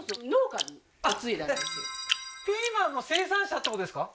ピーマンの生産者ってことですか？